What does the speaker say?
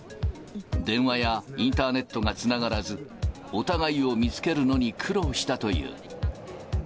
電話やインターネットがつながらず、お互いを見つけるのに苦労したという。